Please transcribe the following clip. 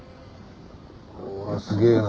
うわっすげえな。